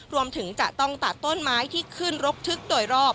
รวมถึงจะต้องตัดต้นไม้ที่ขึ้นรกทึกโดยรอบ